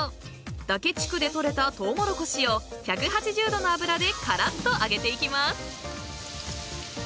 ［嶽地区で採れたトウモロコシを１８０℃の油でからっと揚げていきます］